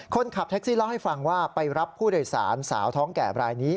คนขับแท็กซี่เล่าให้ฟังว่าไปรับผู้โดยสารสาวท้องแก่บรายนี้